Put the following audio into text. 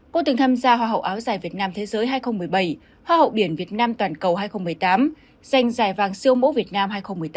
cô từng tham gia hoa hậu áo dài việt nam thế giới hai nghìn một mươi bảy hoa hậu biển việt nam toàn cầu hai nghìn một mươi tám giành giải vàng siêu mẫu việt nam hai nghìn một mươi tám